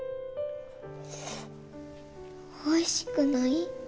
おいしくない？